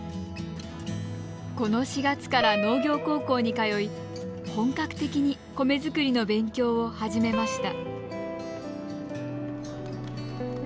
この４月から農業高校に通い本格的に米作りの勉強を始めました。